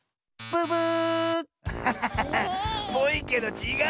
ブブー！